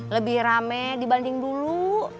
lebih rame dibanding dulu